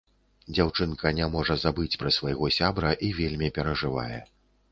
Дзяўчынка не можа забыць пра свайго сябра і вельмі перажывае.